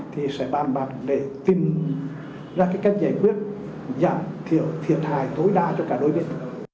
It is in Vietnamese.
thì sẽ bàn bạc để tìm ra cái cách giải quyết giảm thiểu thiệt hại tối đa cho cả đối bên